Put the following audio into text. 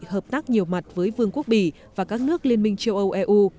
hợp tác nhiều mặt với vương quốc bỉ và các nước liên minh châu âu eu